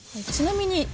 ちなみに。